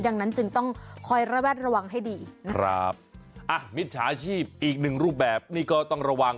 ดังนั้นจึงต้องคอยระแวดระวังให้ดีนะครับอ่ะมิจฉาชีพอีกหนึ่งรูปแบบนี้ก็ต้องระวัง